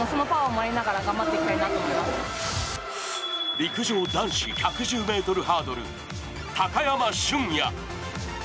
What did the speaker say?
陸上男子１１０ｍハードル高山峻野。